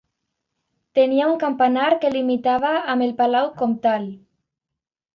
Tenia un campanar que limitava amb el Palau Comtal.